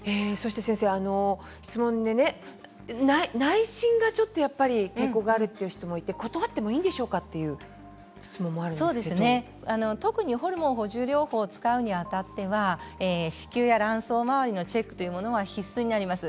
質問で内診がちょっとやっぱり抵抗があるという人もいて断ってもいいんでしょうか特にホルモン補充療法を使うにあたっては子宮や卵巣周りのチェックは必須になります。